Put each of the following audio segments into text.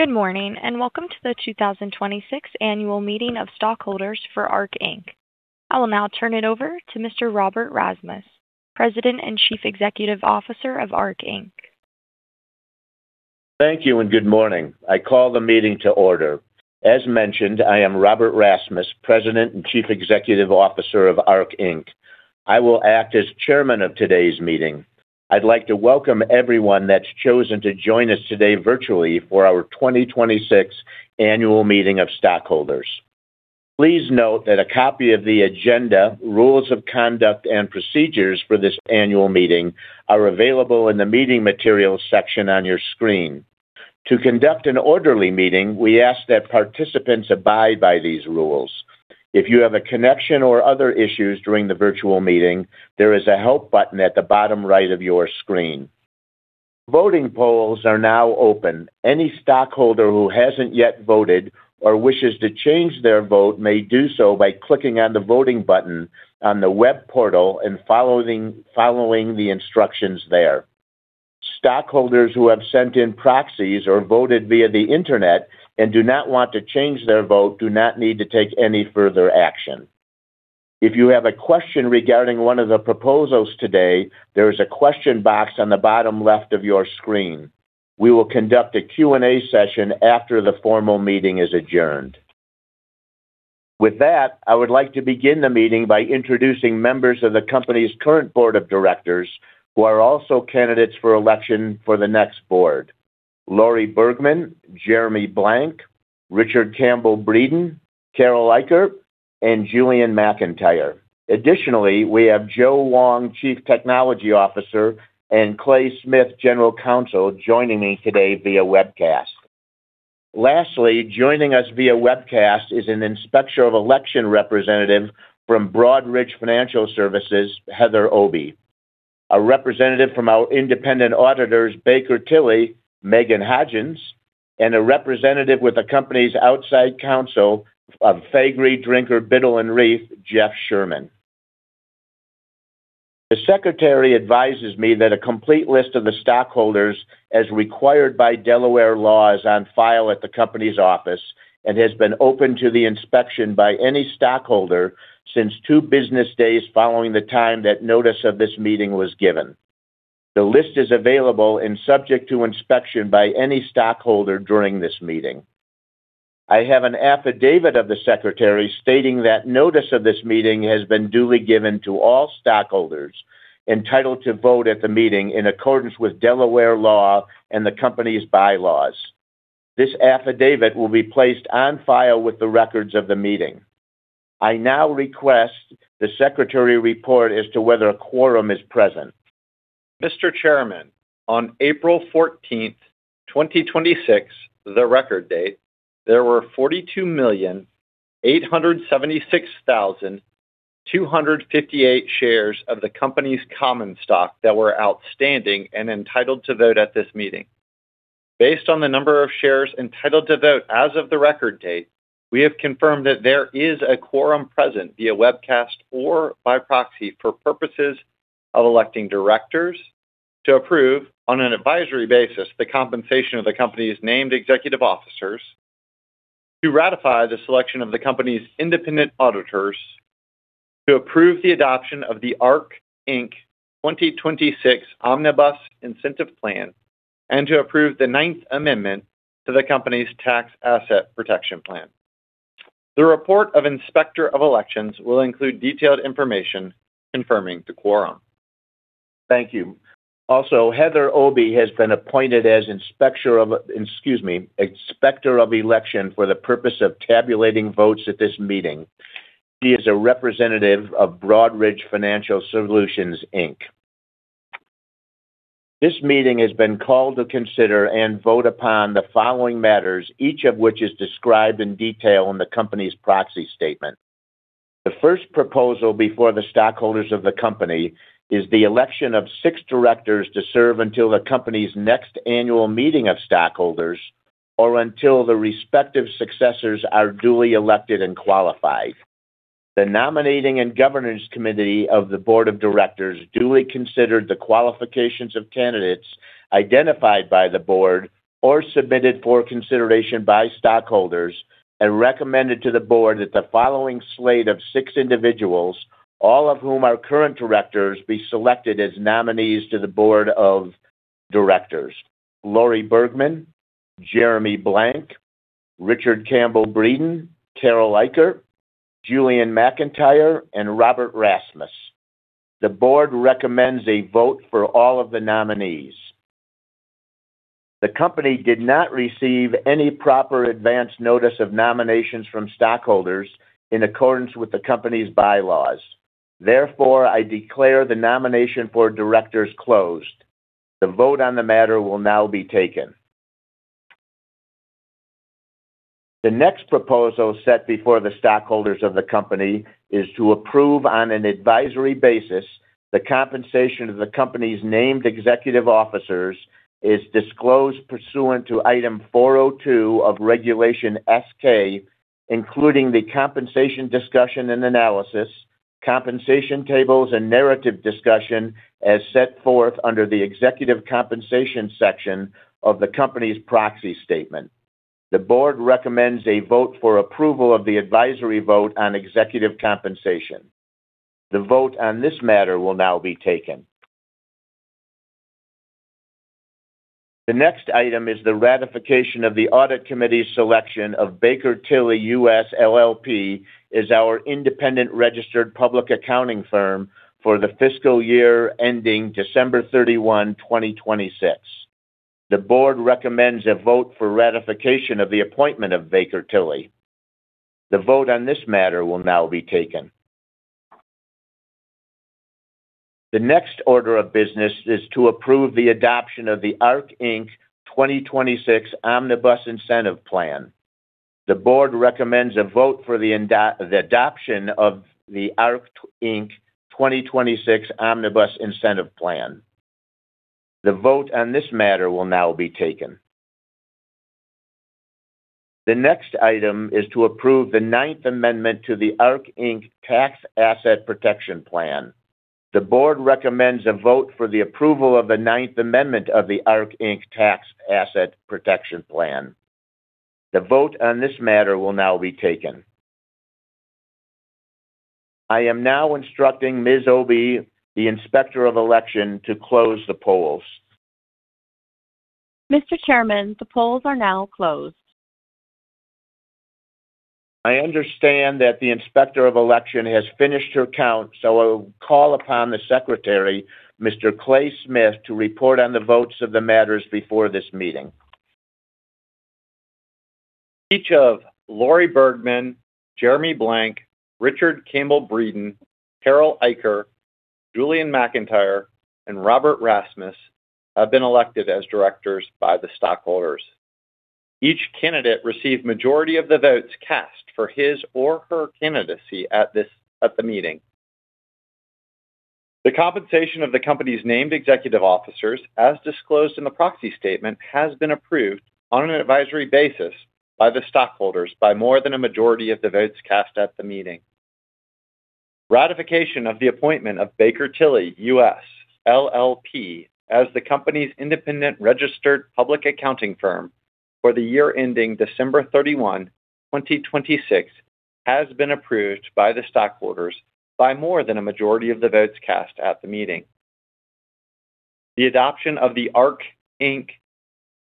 Good morning. Welcome to the 2026 Annual Meeting of Stockholders for Arq, Inc. I will now turn it over to Mr. Robert Rasmus, President and Chief Executive Officer of Arq, Inc. Thank you. Good morning. I call the meeting to order. As mentioned, I am Robert Rasmus, President and Chief Executive Officer of Arq, Inc. I will act as chairman of today's meeting. I'd like to welcome everyone that's chosen to join us today virtually for our 2026 Annual Meeting of Stockholders. Please note that a copy of the agenda, rules of conduct, and procedures for this annual meeting are available in the meeting materials section on your screen. To conduct an orderly meeting, we ask that participants abide by these rules. If you have a connection or other issues during the virtual meeting, there is a help button at the bottom right of your screen. Voting polls are now open. Any stockholder who hasn't yet voted or wishes to change their vote may do so by clicking on the voting button on the web portal and following the instructions there. Stockholders who have sent in proxies or voted via the internet and do not want to change their vote do not need to take any further action. If you have a question regarding one of the proposals today, there is a question box on the bottom left of your screen. We will conduct a Q&A session after the formal meeting is adjourned. With that, I would like to begin the meeting by introducing members of the company's current board of directors, who are also candidates for election for the next board: Laurie Bergman, Jeremy Blank, Richard Campbell-Breeden, Carol Eicher, and Julian McIntyre. Additionally, we have Joe Wong, Chief Technology Officer, and Clay Smith, General Counsel, joining me today via webcast. Lastly, joining us via webcast is an inspector of election representative from Broadridge Financial Solutions, Heather Obey, a representative from our independent auditors, Baker Tilly, Megan Hodgins, and a representative with the company's outside counsel of Faegre Drinker Biddle & Reath, Jeff Sherman. The secretary advises me that a complete list of the stockholders, as required by Delaware law, is on file at the company's office and has been open to the inspection by any stockholder since two business days following the time that notice of this meeting was given. The list is available and subject to inspection by any stockholder during this meeting. I have an affidavit of the secretary stating that notice of this meeting has been duly given to all stockholders entitled to vote at the meeting in accordance with Delaware law and the company's bylaws. This affidavit will be placed on file with the records of the meeting. I now request the secretary report as to whether a quorum is present. Mr. Chairman, on April 14th, 2026, the record date, there were 42,876,258 shares of the company's common stock that were outstanding and entitled to vote at this meeting. Based on the number of shares entitled to vote as of the record date, we have confirmed that there is a quorum present via webcast or by proxy for purposes of electing directors to approve, on an advisory basis, the compensation of the company's named executive officers, to ratify the selection of the company's independent auditors, to approve the adoption of the Arq Inc. 2026 Omnibus Incentive Plan, and to approve the ninth amendment to the company's Tax Asset Protection Plan. The report of inspector of elections will include detailed information confirming the quorum. Thank you. Heather Obey has been appointed as inspector of election for the purpose of tabulating votes at this meeting. She is a representative of Broadridge Financial Solutions, Inc.. This meeting has been called to consider and vote upon the following matters, each of which is described in detail in the company's proxy statement. The first proposal before the stockholders of the company is the election of six directors to serve until the company's next annual meeting of stockholders or until the respective successors are duly elected and qualified. The Nominating and Governance Committee of the board of directors duly considered the qualifications of candidates identified by the board or submitted for consideration by stockholders and recommended to the board that the following slate of six individuals, all of whom are current directors, be selected as nominees to the board of directors: Laurie Bergman, Jeremy Blank, Richard Campbell-Breeden, Carol Eicher, Julian McIntyre, and Robert Rasmus. The board recommends a vote for all of the nominees. The company did not receive any proper advance notice of nominations from stockholders in accordance with the company's bylaws. I declare the nomination for directors closed. The vote on the matter will now be taken. The next proposal set before the stockholders of the company is to approve, on an advisory basis, the compensation of the company's named executive officers as disclosed pursuant to Item 402 of Regulation S-K, including the compensation discussion and analysis, compensation tables and narrative discussion as set forth under the executive compensation section of the company's proxy statement. The board recommends a vote for approval of the advisory vote on executive compensation. The vote on this matter will now be taken. The next item is the ratification of the audit committee's selection of Baker Tilly US, LLP as our independent registered public accounting firm for the fiscal year ending December 31, 2026. The board recommends a vote for ratification of the appointment of Baker Tilly. The vote on this matter will now be taken. The next order of business is to approve the adoption of the Arq Inc 2026 Omnibus Incentive Plan. The board recommends a vote for the adoption of the Arq Inc. 2026 Omnibus Incentive Plan. The vote on this matter will now be taken. The next item is to approve the ninth amendment to the Arq Inc. Tax Asset Protection Plan. The board recommends a vote for the approval of the ninth amendment of the Arq Inc. Tax Asset Protection Plan. The vote on this matter will now be taken. I am now instructing Ms. Obey, the Inspector of Election, to close the polls. Mr. Chairman, the polls are now closed. I understand that the Inspector of Election has finished her count. I will call upon the secretary, Mr. Clay Smith, to report on the votes of the matters before this meeting. Each of Laurie Bergman, Jeremy Blank, Richard Campbell-Breeden, Carol Eicher, Julian McIntyre, and Robert Rasmus have been elected as directors by the stockholders. Each candidate received majority of the votes cast for his or her candidacy at the meeting. The compensation of the company's named executive officers, as disclosed in the proxy statement, has been approved on an advisory basis by the stockholders by more than a majority of the votes cast at the meeting. Ratification of the appointment of Baker Tilly US, LLP as the company's independent registered public accounting firm for the year ending December 31, 2026, has been approved by the stockholders by more than a majority of the votes cast at the meeting. The adoption of the Arq Inc.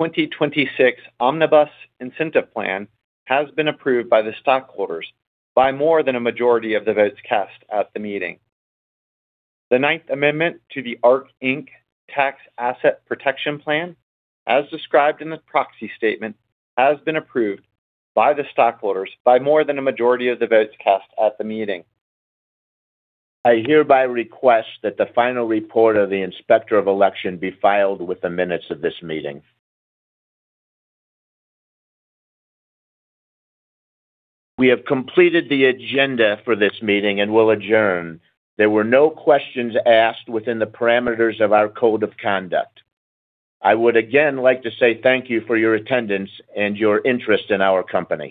2026 Omnibus Incentive Plan has been approved by the stockholders by more than a majority of the votes cast at the meeting. The ninth amendment to the Arq Inc. Tax Asset Protection Plan, as described in the proxy statement, has been approved by the stockholders by more than a majority of the votes cast at the meeting. I hereby request that the final report of the Inspector of Election be filed with the minutes of this meeting. We have completed the agenda for this meeting and will adjourn. There were no questions asked within the parameters of our code of conduct. I would again like to say thank you for your attendance and your interest in our company